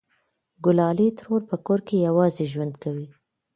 گلالۍ ترور په کور کې یوازې ژوند کوي